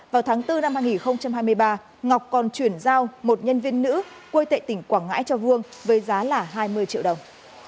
vào tháng bốn năm hai nghìn hai mươi ba ngọc còn chuyển giao một nhân viên nữ quê tệ tỉnh quảng ngãi cho vương với giá là hai mươi triệu đồng